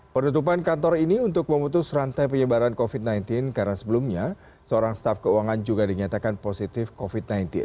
penutupan kantor ini untuk memutus rantai penyebaran covid sembilan belas karena sebelumnya seorang staf keuangan juga dinyatakan positif covid sembilan belas